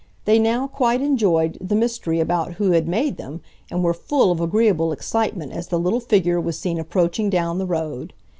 They now quite enjoyed the mystery about who had made them, and were full of agreeable excitement as the little figure was seen approaching down the road.